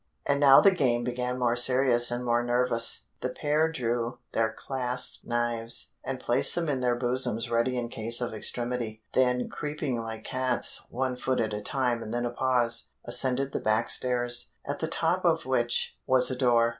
And now the game became more serious and more nervous the pair drew their clasp knives and placed them in their bosoms ready in case of extremity; then creeping like cats, one foot at a time and then a pause, ascended the back stairs, at the top of which was a door.